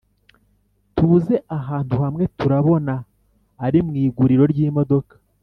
tuze ahantu hamwe turabona arimwiguriro ryimodoka